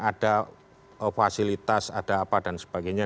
ada fasilitas ada apa dan sebagainya